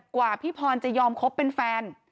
กว่าพี่พรจะยอมคบเป็นแฟน